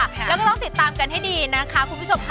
แล้วก็ต้องติดตามกันให้ดีนะคะคุณผู้ชมค่ะ